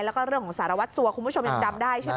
แล้วก็เรื่องของสารวัตรสัวคุณผู้ชมยังจำได้ใช่ไหม